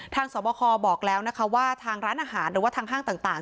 สอบคอบอกแล้วนะคะว่าทางร้านอาหารหรือว่าทางห้างต่าง